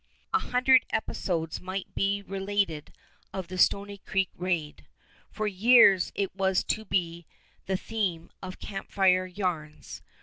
A hundred episodes might be related of the Stony Creek raid. For years it was to be the theme of camp fire yarns.